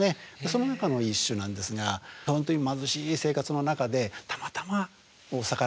その中の一首なんですが本当に貧しい生活の中でたまたま魚が手に入った。